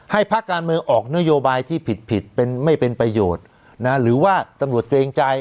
ให้พักการเมืองออกนโยบายที่ผิดไม่เป็นประโยชน์หรือว่าตำรวจเตรงใจ